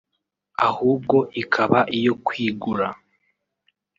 ahubwo ikaba iyo kwigura